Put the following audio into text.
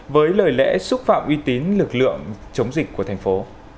với lời lẽ xúc phạm uy tín lực lượng chống dịch của thành phố